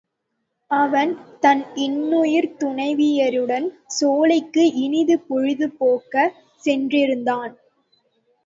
அவன் தன் இன்னுயிர்த் துணைவியருடன் சோலைக்கு இனிது பொழுது போக்கச் சென்றிருந்தான்.